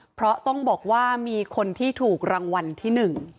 เพราะต้องบอกว่ามีคนที่ถูกรางวัลที่๑